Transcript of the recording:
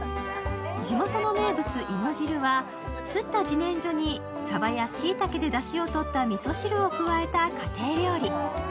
地元の名物・いも汁はすったじねんじょにサバやしいたけでだしをとったみそ汁を加えた家庭料理。